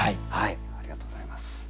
ありがとうございます。